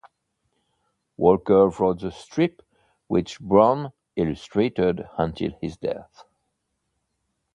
Walker wrote the strip, which Browne illustrated until his death.